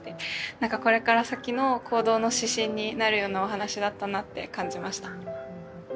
なんかこれから先の行動の指針になるようなお話だったなって感じました。